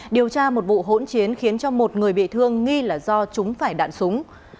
điều tra một vụ hỗn chiến khiến cho một người bị thương nghi là do chúng phải đạn súng